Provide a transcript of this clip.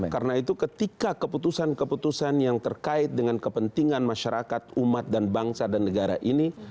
karena itu ketika keputusan keputusan yang terkait dengan kepentingan masyarakat umat dan bangsa dan negara ini